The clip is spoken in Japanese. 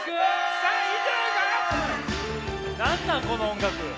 この音楽。